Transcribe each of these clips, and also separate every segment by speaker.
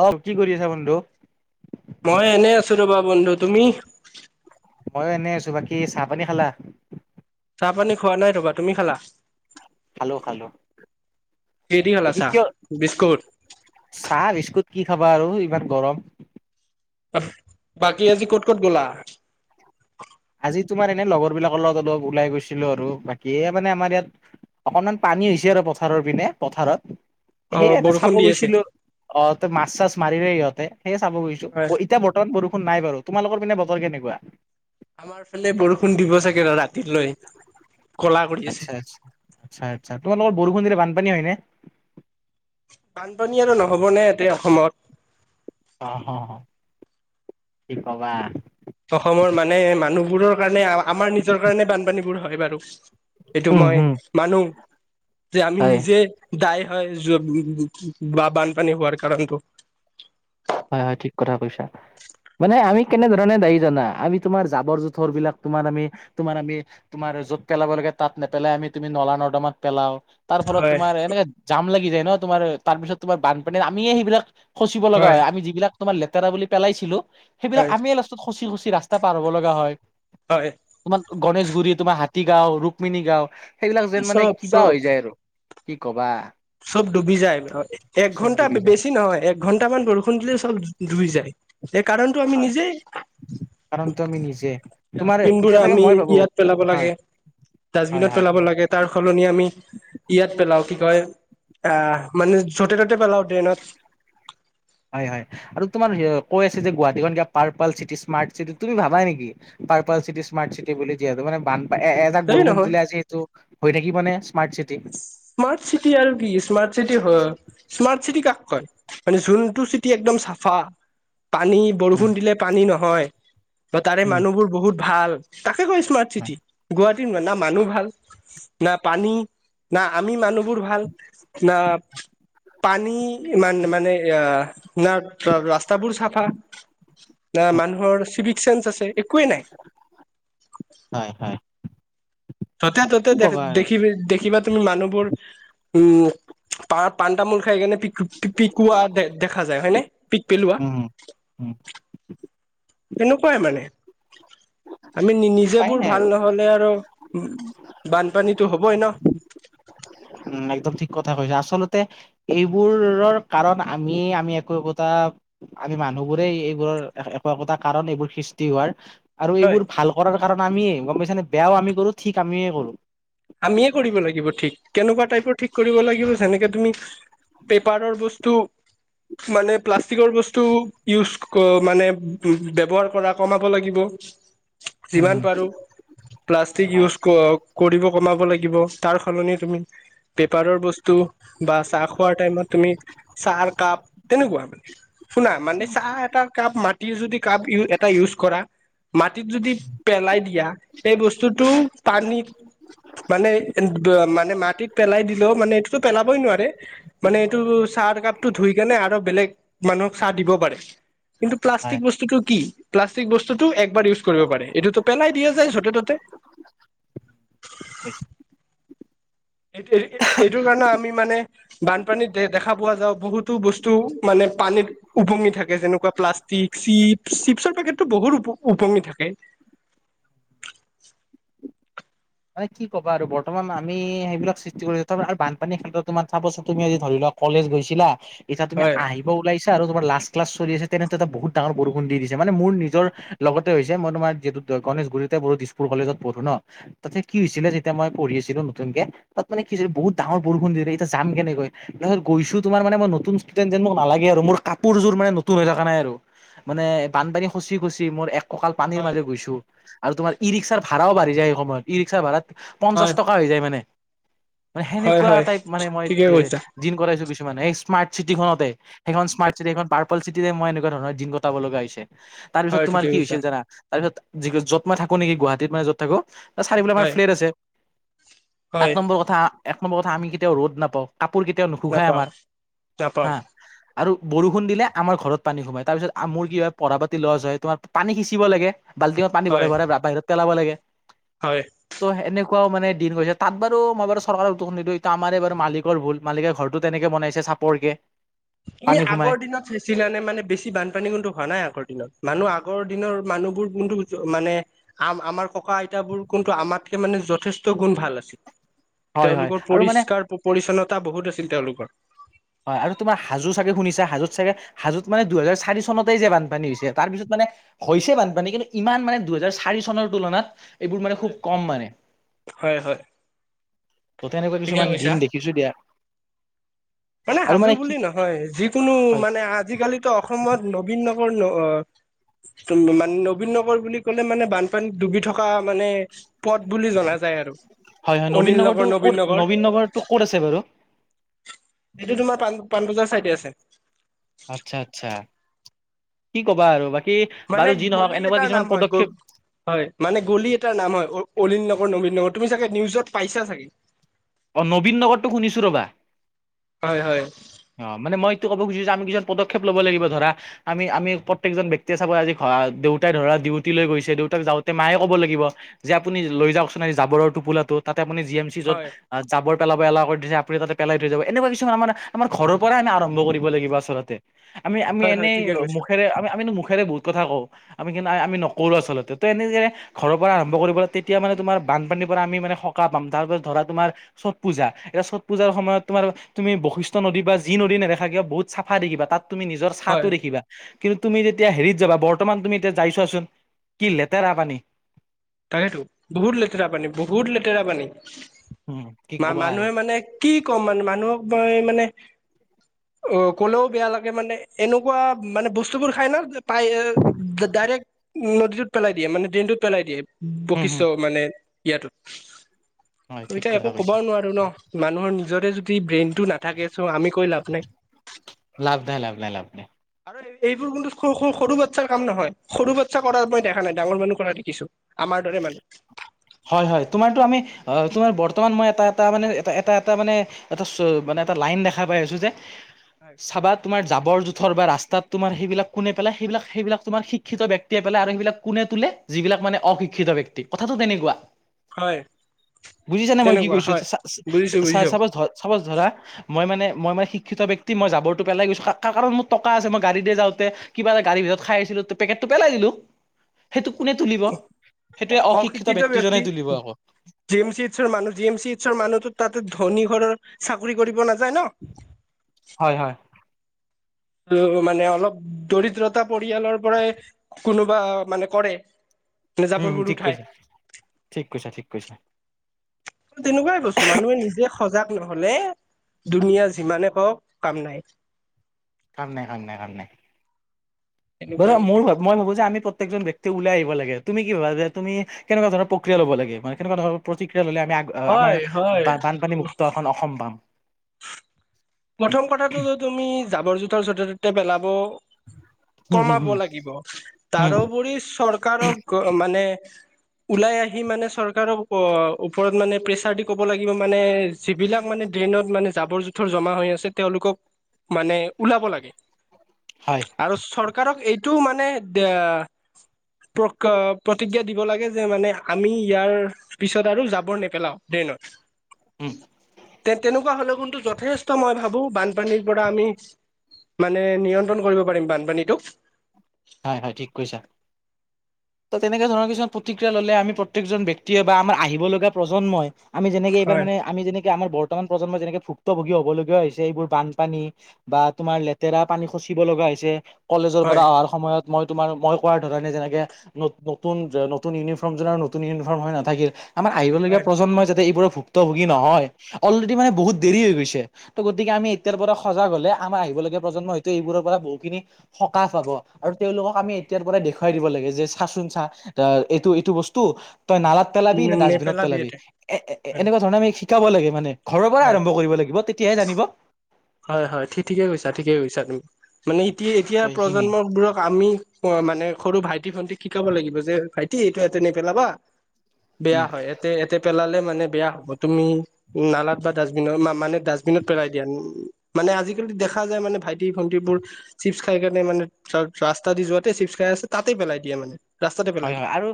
Speaker 1: অ' কি কৰি আছা বন্ধু?
Speaker 2: মই এনেই আছোঁ ৰবা বন্ধু, তুমি?
Speaker 1: ময়ো এনেই আছোঁ। বাকী চাহ পানী খালা?
Speaker 2: চাহ পানী খোৱা নাই তবা, তুমি খালা?
Speaker 1: খালো খালো
Speaker 2: কিদী খালা
Speaker 1: বাকী
Speaker 2: চাহ
Speaker 1: কিয়
Speaker 2: বিস্কুট?
Speaker 1: চাহ বিস্কুট কি খাবা আৰু ইমান গৰম।
Speaker 2: বাকী আজি ক'ত ক'ত গ'লা?
Speaker 1: আজি তোমাৰ এনে লগৰবিলাকৰ লগত লগ ওলাই গৈছিলোঁ আৰু বাকিয়ে মানে আমাৰ ইয়াত অকনমান পানী হৈছে আৰু পথাৰৰ পিনে পথাৰত
Speaker 2: অ
Speaker 1: সেই এনে
Speaker 2: বৰষুণ
Speaker 1: চাব
Speaker 2: দি আছে
Speaker 1: গৈছিলোঁ। অ' তই মাছ চাছ মাৰিলে ইহঁতে সেয়ে চাব গৈছোঁ।
Speaker 2: হয়
Speaker 1: এতিয়া বৰ্তমান বৰষুণ নাই বাৰু। তোমালোকৰ পিনে বতৰ কেনেকুৱা?
Speaker 2: আমাৰফালে বৰষুণ দিব চাগে ৰ-ৰাতিলৈ।
Speaker 1: আচ্ছা আছা। আচ্ছা আছা। তোমালোকৰ বৰষুণ দিল বানপানী হয়নে?
Speaker 2: বানপনী আৰু নহ'বনে ইয়াতে অসমত।
Speaker 1: অ' হ' কি কবা।
Speaker 2: অসমৰ মানে মানুহবোৰৰ কাৰণে আমাৰ নিজৰ কাৰণে বানপানীবোৰ হয় বাৰু। এইটো
Speaker 1: উম
Speaker 2: মই
Speaker 1: হম
Speaker 2: মানো যে আমি
Speaker 1: হয়
Speaker 2: নিজে দাই হয় বা বানপানী হোৱাৰ কাৰণটো।
Speaker 1: হয় হয় ঠিক কথা কৈছা। মানে আমি কেনেধৰণে দায়ী জনা, আমি তোমাৰ জাবৰ জোথৰবিলাক তোমাৰ আমি তোমাৰ আমি তোমাৰ য'ত পেলাব লাগে তাত নেপেলাই আমি তুমি নলা নৰ্দমাত পেলাও তাৰ ফলত
Speaker 2: হয়
Speaker 1: তোমাৰ এনেকে জাম লাগি যায় ন তোমাৰ তাৰপিছত তোমাৰ বানপানীৰ আমিয়ে সেইবিলাক সচিব লগা হয় আমি যিবিলাক তোমাৰ লেতেৰা বুলি পেলাইছিলো সেইবিলাক
Speaker 2: হয়
Speaker 1: আমি খুচি খুচি ৰা্ত পাৰ হ'ব লগা হয়
Speaker 2: হয়
Speaker 1: তোমাৰ গণেশগুৰি তোমাৰ হাতীগাঁও ৰুক্মিণী গাঁও সেইবিলাক যেন মানে
Speaker 2: চব
Speaker 1: কিবা
Speaker 2: চব
Speaker 1: হৈ যায় আৰু কি কবা
Speaker 2: চব ডুবি যায়
Speaker 1: চব
Speaker 2: একঘন্টা
Speaker 1: ডুবি যায়
Speaker 2: বেছি নহয় এক ঘন্টামান বৰষুণ দিলে চব দুই যায় সেই কাৰণটো আমি
Speaker 1: হয়,
Speaker 2: নিজে
Speaker 1: কাৰণটো আমি নিজে তোমাৰ
Speaker 2: ডাষ্টবিন বো
Speaker 1: এতিয়া চাগে
Speaker 2: আমি
Speaker 1: মই ভাবো
Speaker 2: ইয়াত পেলাব
Speaker 1: হয়
Speaker 2: লাগে
Speaker 1: হয়
Speaker 2: ডাষ্টবিনত
Speaker 1: হয়
Speaker 2: পেলাব লাগে তাৰ সলনি আমি ইয়াত পেলাওঁ কি কয় আহ মানে য'তে ত'তে পেলাও ট্ৰেইনত
Speaker 1: হয় হয় আৰু তোমাৰ কৈ আছে যে গুৱাহাটীখন কিয়া পাৰ চিটি স্মাৰ্ট চিটি তুমি ভাবা নেকি পাৰ্পল চিটি স্মাৰ্ট চিটি বুলি যিহেতু মানে বান তাক
Speaker 2: হেৰি
Speaker 1: বৰষুণ
Speaker 2: নহয়
Speaker 1: দিলে আজি সেইটো হৈ থাকিব নে স্মাৰ্ট চিটি
Speaker 2: স্মাৰ্ট চিটি আৰু কি স্মাৰ্ট চিটি স্মাৰ্ট চিটি কাক কয় মানে জোনটোু চিটি একদম চাফা পানী
Speaker 1: উম
Speaker 2: বৰষুণ দিলে পানী নহয় ত তাৰে
Speaker 1: উম
Speaker 2: মানুহবোৰ বহুত ভাল তাকে কয় স্মাৰ্ট চিটি গুৱাহাটীৰয় না মানুহ ভাল না পানী না আমি মানুহবোৰ ভাল ন পানী মান মানে এ না ৰাস্তাবোৰ চাফা ন মানুহৰ চিভিক চেন্ঞ্চ আছে একোৱে নাই
Speaker 1: হয় হয়
Speaker 2: ততে ত'তে
Speaker 1: কি
Speaker 2: দেখ
Speaker 1: কবা আৰু
Speaker 2: দেখিবি দেখিবা তুমি মানুহবোৰ উম পা পাণ তামোল খাই সকাৰণে প পিকোৱা দেখা যায় হয়নেে পিক পেলোৱা
Speaker 1: উম উম
Speaker 2: সেনেকুৱাই মানে আমি নিজ
Speaker 1: উপায়
Speaker 2: বোৰ
Speaker 1: নাই আৰু
Speaker 2: ভাল নহলে আৰু উ বানপানীতো হ'বই ন
Speaker 1: উম একদম ঠিক কথা কৈছ আচলতে এইবোৰৰ কাৰণ আমি আমি একো একোটা আমি মানুহবোৰেই এইবোৰৰ একো একোটা কাৰণ এইবোৰ সৃষ্টি হোৱাৰ আৰু
Speaker 2: হয়
Speaker 1: এইবোৰ ভাল কৰাৰ কাৰণে আমিয়ে গম পাইছাানে বেয়াও আি কৰো ঠিক আমিয়ে কৰো
Speaker 2: আমিয়ে কৰিব লাগিব ঠিক কেনেকুৱা টাইপৰ ঠিক কৰিব লাগিব যেনেকে তুমি পেপাৰৰ বস্তু মানে প্লাষ্টিকৰ বস্তু ইউজ অ মানে ব্য্ৱহাৰ কৰা কমাব লাগিব
Speaker 1: উম
Speaker 2: যিমান
Speaker 1: হুম।
Speaker 2: পাৰো প্লাষ্টিক
Speaker 1: হয়
Speaker 2: ইউজ কৰিব কমাব লাগিব তাৰ সলনি তুমি পেপাৰৰ বস্তু বা চাহ খোৱাৰ টাইমত তুমি চাহ কাপ তেনেকুৱা মানে শুনা মানে
Speaker 1: উম
Speaker 2: চাহ এটা কাপ মাটিৰ যদি কাপ ই এটা ইউজ কৰা মাটিত যদি পেলাই দিয়া সেই বস্তুটো
Speaker 1: হয়।
Speaker 2: পানীত মানে মানে মাটিত পেলাই দিলেও মানে এইটোতো পেলাবই নোৱাৰে মানে এইটো চাহ কাপটো ধুই কেনে আৰু বেলেগ মানুহক চাহ দিব পাৰে কিন্তু প্লাষ্টিক
Speaker 1: হয়,
Speaker 2: বস্তুটো কি প্লাষ্টিক বস্তুটো একবাৰ ইউজ কৰিব পাৰে এইটোতো পেলাই দিয়া যায় ে ততে
Speaker 1: কৈছ
Speaker 2: এইটো এইটো কাৰণে আমি মানে বানপানীত দে দেখা পোৱা যা বহুতো বস্তু মানে পানীৰ উপঙি থাকে যেনেকুৱা প্লাষ্টিক চিপছ চিপছৰ পেকেটটো বহুত উপঙি থাকে
Speaker 1: মানে কি ক'ব আৰু বৰ্তমান আমি সেইবিলাক সৃষ্টি কৰিো আৰু বানপানীৰ ক্ষেত্ৰতোম চাবচোন তুমি আজি ধৰি লওক কলেজ গৈছিলা এতিয়া তুমি
Speaker 2: হয়
Speaker 1: আহি লাইছে আৰু তুমাৰ লাষ্ট ক্লাচ চলি আছে তেনেতে এটা বহুত ডাঙৰ বৰষুণ দি দিছে মানে মোৰ নিজৰ লগতে হৈছে মই তোমাৰ যিহেত গণেশগুৰিতে [unintelligible] দিছপুৰ কলেজত পঢ়ো ন' তাতে কি হৈছিলে যেতিয়া মই পঢ়ি আছিলো নতুনকে তাত মানে কি হৈছে বহুত ডাঙৰ বৰষুণ দি দে এতিয়া যাম কেনেকৈ তাৰপিছ গৈছো তোমাৰ মানে মই নতুন ষ্টুেডেন্ট যেন মোক নালাগে আৰু মোৰ কাপোৰযোৰ মানে নতুন হৈ থকা নাই আৰু মানে বানপানী খচি খচি মোৰ এক ককাল পানীৰ
Speaker 2: হয়
Speaker 1: মাজে গৈছো, আৰু তম ই ৰিক্সাৰ ভাডাও বাঢ়ি যায় সময়ত ই ৰি্স ভাড়াত পঞ্চাশ
Speaker 2: হয়
Speaker 1: টকা হৈ যায় মানে, মানে
Speaker 2: হয়
Speaker 1: সেনেকুৱা
Speaker 2: হয়
Speaker 1: টাইপ মানে মই
Speaker 2: ঠিকে কৈছা
Speaker 1: দিন কটাইছো, কিছুমান এই স্মাৰ্ট চিটিখনতে সেইখন স্মাৰ্ট চিটি এখন চিটিৰে মই এনেকুৱা ধৰণৰ দিন কটাব লগা হৈছে, তাৰ পিছত
Speaker 2: হয়
Speaker 1: তোমাৰ
Speaker 2: ঠিকে
Speaker 1: কি
Speaker 2: কৈছা
Speaker 1: হৈছিল জানা তাৰপিত, যি যত মা থাকো নেকি গুৱাহাটত মানে যত থাকো ত চাৰিেল আাৰ
Speaker 2: হয়
Speaker 1: ফ্লেটছে
Speaker 2: হয়
Speaker 1: এক নম্বৰ কথা এক নম্বৰ কথা আমি কেতিয়াও ৰ'দ নাপাওঁ কাপোৰ কেতিয়াও নুখোঘায়
Speaker 2: নাপাওঁ
Speaker 1: আমাৰ
Speaker 2: নাপাওঁ
Speaker 1: হা আৰু বৰষুন দিলে আমাৰ ঘৰত পানী সোমাই তাৰপিছত মোৰ কি হয় পঢ়া পাতি লজ হয় তোমাৰ পানী সিচিব লাগে- বালটিঙত পানী
Speaker 2: হয়
Speaker 1: ভৰে ভৰা বাহিৰত পেলাব লাগে
Speaker 2: হয়।
Speaker 1: ত' এনেকুৱাও মানে দিনৈছোত বাৰু মই বাৰু চৰকাৰৰ উত্ত নিদিো এইটো আমাৰে বাৰু মালিকৰ ভুল মালিকে ঘৰৰতো তেনেকে বনাইছে চাপৰ কে
Speaker 2: তুমি আগৰ দিনত চানে মানে বেছি বানপানী হোৱা নাই আগৰ দিনত মানুহ আগৰ দিনৰ মানুহবোৰ কোনটো মানে আম আমাৰ ককা আইতাবোৰ কোনটো আমাতকে মানে যথেষ্ট গুণ ভাল আছিল
Speaker 1: হয় হয়
Speaker 2: তেওঁলোকৰ
Speaker 1: আৰু মানে
Speaker 2: পৰিষ্কাৰ পৰিচ্ছন্নতা বহুত আছিল তেওঁলোকৰ
Speaker 1: হয়, আৰু তোমাৰ হাজো চাগে শুনিছা হাজোত চাগে হাজুত মানে, দুহেজাৰ চাৰি চনতেই যে বানপানী হৈছে তাৰপিছত মানে হৈছে বানপানী কিন্তু ইমান মানে দুহেজাৰ চাৰি চনৰ তুলনাত এইবোৰ মানে
Speaker 2: হয়
Speaker 1: খুব কম মানে
Speaker 2: হয় হয়
Speaker 1: ত' তেনেকুৱা
Speaker 2: ঠিকে
Speaker 1: কিছুমান
Speaker 2: কৈছা
Speaker 1: দিন দেখিছো দিয়া
Speaker 2: মানে,
Speaker 1: আৰু
Speaker 2: হাজো
Speaker 1: কি
Speaker 2: বুলি নহয় যিকোনো
Speaker 1: হয়
Speaker 2: মানে আজিকালিতো অসমত নবীন নগৰ ন মানে, নবীন নগৰ বুলি ক'লে মানে বানপানীত ডুবি থকা মানে পদ বুলি জনা যায় আৰু
Speaker 1: হয়, হয়, নবীন
Speaker 2: অনিল নগৰ
Speaker 1: নগৰটো ক'ত
Speaker 2: নগৰ
Speaker 1: নবীন নগৰটো ক'ত আছে বাৰু
Speaker 2: এইেইটো তোমাৰ পা পাবজাৰ চাইডে আছে
Speaker 1: আচ্ছা, আচ্ছা, কি কবা আৰু বাকী
Speaker 2: মানে
Speaker 1: বাৰু যি নহক
Speaker 2: গলি
Speaker 1: এনেকুৱা
Speaker 2: এটাৰ
Speaker 1: কিছুমান
Speaker 2: নাম হয় গ
Speaker 1: পদক্ষেপ
Speaker 2: হয় মানে, গলি এাৰ নাম হয় অলিন নগৰ, নবীন নগৰ তুমি চাগে নিউজত পাইছা চাগে
Speaker 1: অ, ' নীন নগৰটো শুনিছো ৰবা
Speaker 2: হয়, হয়
Speaker 1: অ, মানে মই এইটো ক'ব খুজছো যে আমি কিু পক্ষেপ লব লাগিব ধৰা আমি আমি প্ৰত্যেকজন ব্যক্তিয়ে চাব আজি ঘ দেউতাই ধৰা, ডিউটি লৈ গৈছে দেউতাক যাওঁতে মায়ে ক'ব লাগিব যে আপুনি লৈ যাওকচোন, এই জাবৰ টোপোলাটোত তাতে আপুনি এম চি য'ত
Speaker 2: হয়
Speaker 1: যাব পেলাব এলা কৰি দিছে আপুনিাতে পেলাই থৈ যাব এনেকুৱা কিছুমান আমাৰ আমাৰ ঘৰৰ পৰাই আমি আৰম্ভ কৰিব লাগিব আচলতে আমি আমি
Speaker 2: হয় হয়
Speaker 1: এনেই
Speaker 2: ঠিকে কৈছা
Speaker 1: মুখেৰে আমি আমো মুখেৰে বু কথা কওঁ আমি কিন্তু আমি নকৰো আচলতে ত এনেক ঘৰৰ পৰা আৰম্ কৰিবলৈ তেতিয়া মানে, তোমাৰ বানপানীৰ পৰা আমি মানে সকাহ পাম তাৰ পিছত ধৰা তোমাৰ চট পূজা এতিয়া চট পূজাৰ সময়ত তোমাৰ তুমি বৈশিষ্ট্য নদী বা যি নদী নেদেখা কিয় বহুত চাফা দেখিবা তুমি নিজৰ ছাটো
Speaker 2: হয়
Speaker 1: দেখিবা কিন্তু তুমি যেতিয়া হেৰিত যাবা, বৰ্তমান তুমি এতিয়া যাইছোৱাচোন কি লেতেৰা পানী
Speaker 2: তাকেতো, বহুত লেতেৰা পানী বহুত লেতেৰা পানী
Speaker 1: উম কি
Speaker 2: মা
Speaker 1: ক'বা আৰু
Speaker 2: মানুহে মানে কি ক'ম মানে, মানুহক মই মানে অ', লেও বেয়া লাগে মানে এনেকুৱা মানে বস্তুবোৰ খায় ন পাই ডাইৰেক্ট নদীটোত পেলাই দিয়ে মানে, ড্ৰেইনটোত পেলাই দিয়ে
Speaker 1: উম
Speaker 2: বৈশিষ্ট
Speaker 1: হম
Speaker 2: মানে ইয়াতোত
Speaker 1: হয় ঠিক
Speaker 2: এতিয়া
Speaker 1: কথা
Speaker 2: একো
Speaker 1: কৈছা
Speaker 2: কবাওঁ নোৱাৰোঁ ন মানুহৰ নিজৰে যদি ব্ৰেইনটো নাথাকে চ' আমি কৈ লাভ নাই।
Speaker 1: লাভনাই লাভনাই লাভনাই।
Speaker 2: আৰু এই এইবোৰ কিন্তু সৰু সৰু সৰু বাচ্ছাৰ কাম নহয়। সৰু বাচ্ছা কৰা মই দেখা নাই ডাঙৰ মানুহ কৰা দেখিছোঁ। আমাৰ দৰে মানুহ।
Speaker 1: হয় হয়। তোমাৰটো আমি অ', তোমাৰ বৰ্তমান মই এটা এটা মানে এ, এটা এটা এটা মানে এটা চ, মানে এটা লাইন দেখা পাই আছোঁ যে
Speaker 2: হয়
Speaker 1: চাবাত তোমাৰ জাৱৰ জোথঁৰ বা ৰাস্তাত তোমাৰ সেইবিলাক কোনে পেলাই সেইবিলাক সেইবিলাক তোমাৰ শিক্ষিত ব্যক্তিয়ে পেলাই আৰু সেইবিলাক কোনে তোলে? যিবিলাক মানে অশিক্ষিত ব্যক্তি কথাটোঁ তেনেকুৱা।
Speaker 2: হয়।
Speaker 1: বুজিছানে মই কি
Speaker 2: তেনেকুৱা
Speaker 1: কৈছোঁ?
Speaker 2: হয়
Speaker 1: চা
Speaker 2: বুজিছো
Speaker 1: চা-
Speaker 2: বুজিছো
Speaker 1: চাপজ ধ চাপজ ধৰা মই মানে মই মানে শিক্ষিত ব্যক্তি মই জাৱৰটো পেলাই গৈছোঁ কা কা কাৰণ মোৰ টকা আছে। মই গাড়ীৰে যাওঁতে কিবা এটা গাড়ীৰ ভিতৰত খাই আছিলোঁ ত' পেকেটটো পেলাই দিলোঁ। সেইটো কোনে তুলিব?
Speaker 2: অ',
Speaker 1: সেইটোৱে
Speaker 2: অশিক্ষিত
Speaker 1: ব্যক্তিজনে
Speaker 2: ব্যক্তি।
Speaker 1: তুলিব আকৌ
Speaker 2: জি এম চি এইচৰ মানুহ জি এম চি এইচৰ মানুহতোঁ তাতে ধনী ঘৰৰ চাকৰি কৰিব নাযায় ন।
Speaker 1: হয় হয়।
Speaker 2: [unintelligible] মানে অলপ দৰিদ্ৰতা পৰিয়ালৰ পৰাই কোনোবাঁ মানে কৰে।
Speaker 1: উম,
Speaker 2: জাবৰবোৰ
Speaker 1: ঠিক
Speaker 2: উঠাই
Speaker 1: কৈছা। ঠিক কৈছা ঠিক কৈছা।
Speaker 2: তেনেকুৱাই বস্তু মানুহে নিজে সজাগ নহ'লে দুুনীয়া যিমানে কওঁক কাম নাই।
Speaker 1: কাম নাই কাম নাই কাম নাই।
Speaker 2: তেনেকুৱাই
Speaker 1: [unintelligible] মোৰ ভাব মই ভাবোঁ যে আমি প্ৰত্যেকজন ব্যক তেওঁ ওলাই আহিব লাগে। তুমি কি ভাবা যে তুমি কেনেকুৱা ধৰণ প্ৰক্ৰিয়া ল'ব লাগে মানে কেনেকুৱা ধৰণৰ প্ৰতিক্ৰিয়া ল'লে আমি আগ অ', আমাৰ
Speaker 2: হয় হয়
Speaker 1: বা বানপানী মুুক্ত এখন অসম পাম।
Speaker 2: প্ৰথম কথাটো যে তুমি জাবৰ জোঁথৰ য'তে ত'তে পেলাব
Speaker 1: হম
Speaker 2: কমাব
Speaker 1: হম
Speaker 2: লাগিব।
Speaker 1: হম উম
Speaker 2: তাৰোপৰি চৰকাৰক অ, মানে ওলাই আহি মানে চৰকাৰক ওপ অ', ওপৰত মানে প্ৰেচাৰ দি ক'ব লাগিব মানে যিবিলাক মানে ড্ৰেইনত মানে জাবৰ জোঁথৰ জমা হৈ আছে তেওঁলোকক মানে ওলাব লাগে।
Speaker 1: হায়।
Speaker 2: আৰু চৰকাৰক এইটোওঁ মানে দা প্ৰক আ প্ৰতিজ্ঞা দিব লাগে যে মানে আমি ইয়াৰ পিছত আৰু জাবৰ নেপেলাওঁ ড্ৰেনত।
Speaker 1: উম
Speaker 2: তে তেনেকুৱা হলেওঁ কোনটো যথেষ্ট মই ভাবোঁ, বানপানীৰ পৰা আমি মানে নিয়ন্ত্ৰণ কৰিব পাৰিম বানপানীটোক।
Speaker 1: হায় হায় ঠিক কৈছা। ত' তেনেকা ধৰণৰ কিছুমান প্ৰতিক্ৰিয়া ল'লে আমি প্ৰত্যেকজন ব্যক্তিয়ে বা আমাৰ আহিব লগা প্ৰজন্মই আমি যেনেকে এইবাৰ
Speaker 2: হয়
Speaker 1: মানে আমি যেনেকে আমাৰ বৰ্তমান প্ৰজন্মৰ যেনেকে ভুক্তভোগী হ'বলগীয়া হৈছে এইবোৰ বানপানী বা তোমাৰ লেতেৰা পানী খচিব লগা হৈছে। কলেজৰ
Speaker 2: হয়
Speaker 1: পৰা অহাৰ সময়ত মই তোমাৰ মই কোৱাৰ ধৰণে যেনেকে নত নতুন যে নতুন ইউনিফৰ্ম যোৰা নতুন ইউনিফৰ্ম হৈ নাথাকিল আমাৰ আহিবলগীয়া
Speaker 2: হয়
Speaker 1: প্ৰজন্মই যাতে এইবোৰৰ ভুক্তভোগী নহয়। অলৰেডি মানে বহুত দেৰি হৈ গৈছে। ত' গতিকে আমি এতিয়াৰ পৰা সজাগ হ'লে আমাৰ আহিবলগীয়া প্ৰজন্মই হয়তোঁ এইবোৰৰ পৰা বহু খিনি সকাহ পাব। আৰু তেওঁলোকক আমি এতিয়াৰ পৰাই দেখুৱাই দিব লাগে যে চাচোঁন চা আ' এইটো এইটো বস্তু। তই নালাত পেলাবি নে ডাষ্টবিনত
Speaker 2: নেপেলাবি
Speaker 1: পেলাবি
Speaker 2: ইয়াতে হয়
Speaker 1: এ-এনেকুৱা ধৰণে আমি শিকাঁব লাগে মানে। ঘৰৰ পৰাই
Speaker 2: হয়
Speaker 1: আৰম্ভ কৰিব লাগিব, তেতিয়াহে জানিব।
Speaker 2: হয় হয় ঠি ঠিকে কৈছা ঠিকে কৈছা তুম। মানে ইতি এতিয়া
Speaker 1: সেইখিনি
Speaker 2: প্ৰজন্মবোৰক আমি অ', মানে সৰু ভাইটি ভণ্টিক শিকাব লাগিব যে ভাইটি এইটো ইয়াতে নেপেলাবা।
Speaker 1: উম
Speaker 2: বেয়া হয় এ তে ইয়াতে পেলালে মানে বেয়া হ'ব। তুমি নালাত বা ডাষ্টবিনত না মানে ডাষ্টবিনত পেলাই দিয়া। মানে আজিকালি দেখাঁ যায় মানে ভাইটি ভণ্টিবোৰ চিপছ খাই কাৰণে মানে [unintelligible] ৰাস্তা দি যোৱাঁতে চিপছ খাই আছে, তাতে পেলাই দিয়ে মানে। ৰাস্তাতে পেলাই
Speaker 1: হয় হয়
Speaker 2: দিয়ে
Speaker 1: আৰু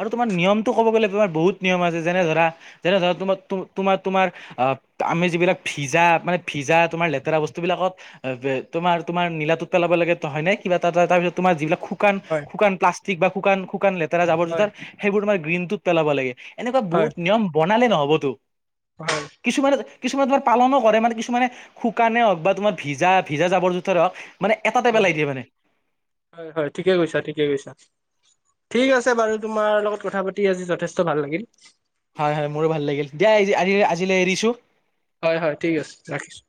Speaker 1: আৰু তোমাৰ নিয়মটো ক'ব গ'লে তমাৰ বহুত নিয়ম আছে যেনে ধৰা যেনে ধৰা তোমাৰ তোমাৰ তোমাৰ অহ আমি যিবিলাক ভিজা মানে ভিজা তোমাৰ লেতেৰা বস্তুবিলাকত অ' তোমাৰ তোমাৰ নীাটোত পেলাব লাগেো হয় নে কিবা এটা তাৰপিছত তোমাৰ যিবিলাক খু শুকান
Speaker 2: হয়
Speaker 1: শুকান প্লাষ্টিক বা শুকান শুকান লেতেৰা জাবৰ
Speaker 2: হয়
Speaker 1: জোতাৰ সেইবোৰ তমাৰ গ্ৰীণটুথ পেলাব লাগে। এনেকুৱা
Speaker 2: হয়
Speaker 1: বহুত নিয়ম বনালে নহ'বতো।
Speaker 2: হয়।
Speaker 1: কিছুমানে কিছুমানে তোমাৰ পালনো কৰে মানে কিছুমানে শুকানে হওক বা তোমাৰ ভিজা ভিজা জাবৰ জোথৰে হওক মানে এটা টপ
Speaker 2: হয়
Speaker 1: পেলাই দিয়ে মানে।
Speaker 2: হয়, হয় ঠিকে কৈছা ঠিকে কৈছা। ঠিক আছে বাৰু তোমাৰ লগত কথা পাতি আজি যথেষ্ট ভাল লাগিল।
Speaker 1: হয় হয় মোৰো ভাল লাগিল দিয়াজ আজিলৈ এৰিছো।
Speaker 2: হয় হয় ঠিক আছে ৰাখিছোঁ।